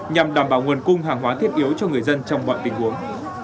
nhằm đảm bảo nguồn cung hàng hóa thiết yếu cho người dân trong mọi tình huống